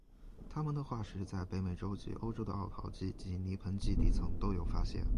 它们的化石在北美洲及欧洲的奥陶纪及泥盆纪地层都有发现。